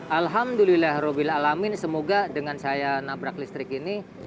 alhamdulillah robbilalamin semoga dengan saya nabrak listrik ini